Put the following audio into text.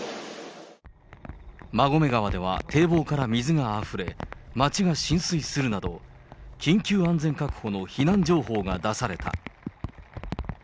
馬込川では、堤防から水があふれ、街が浸水するなど、緊急安全確保の避難情報が出された。